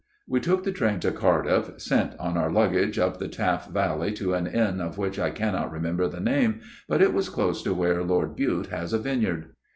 " We took the train to Cardiff ; sent on our luggage up the Taff Valley to an inn of which I cannot remember the name ; but it was close to where Lord Bute has a vineyard.